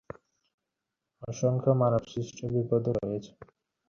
আর নিশ্চিত করো এবার যেন সবকিছু ঠিকঠাক হয়, বুঝেছ?